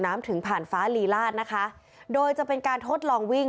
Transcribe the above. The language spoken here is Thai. ถึงผ่านฟ้าลีลาดนะคะโดยจะเป็นการทดลองวิ่ง